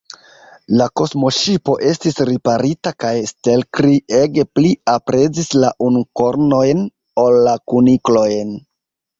La kosmoŝipo estis riparita, kaj Stelkri ege pli aprezis la unukornojn ol la kuniklojn.